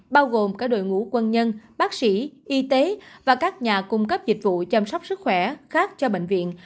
bao gồm cả đội ngũ quân nhân bác sĩ y tế và các nhà cung cấp dịch vụ chăm sóc sức khỏe khác cho bệnh viện